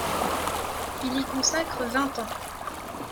Il y consacre vingt ans.